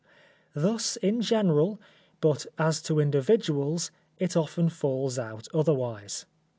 Thus, in general, but as to individuals, it often falls out otherwise.